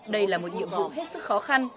đây là một nhiệm vụ hết sức khó khăn